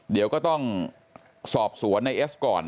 เดี๋ยวก็ต้องสอบสวนในเอสก่อน